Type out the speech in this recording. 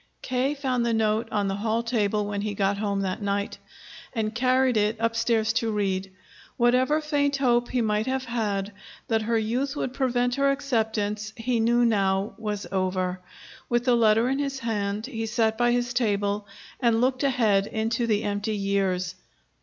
K. found the note on the hall table when he got home that night, and carried it upstairs to read. Whatever faint hope he might have had that her youth would prevent her acceptance he knew now was over. With the letter in his hand, he sat by his table and looked ahead into the empty years.